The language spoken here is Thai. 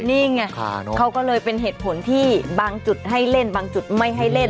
นี่ไงเขาก็เลยเป็นเหตุผลที่บางจุดให้เล่นบางจุดไม่ให้เล่น